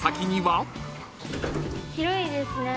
広いですね。